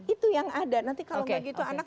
itu yang ada nanti kalau nggak gitu anak